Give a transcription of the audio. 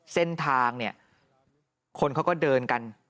เส้นทางเนี่ยคนเขาก็เดินกัน